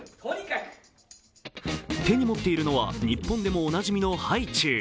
手に持っているのは日本でもおなじみのハイチュウ。